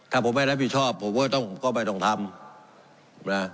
ถ้าผมไม่รับผิดชอบผมก็ต้องไปตรงทำ